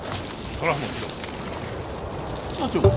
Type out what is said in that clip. それはもちろん。社長は？